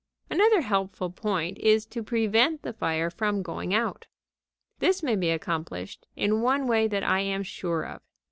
Another helpful point is to prevent the fire from going out. This may be accomplished in one way that I am sure of.